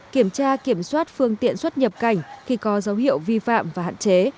kiểm tra kiểm soát phương tiện xuất nhập cảnh khi có dấu hiệu vi phạm và hạn chế